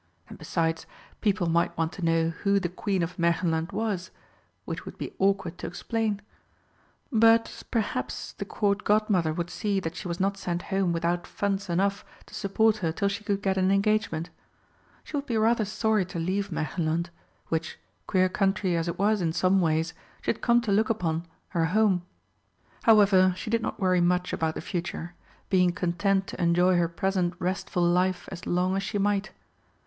And besides, people might want to know who the Queen of Märchenland was which would be awkward to explain. But perhaps the Court Godmother would see that she was not sent home without funds enough to support her till she could get an engagement. She would be rather sorry to leave Märchenland, which, queer country as it was in some ways, she had come to look upon her home. However, she did not worry much about the future, being content to enjoy her present restful life as long as she might.